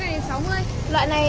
loại này thì sao ạ